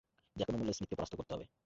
যেকোনো মূল্যে স্মিথকে পরাস্ত করতে হবে।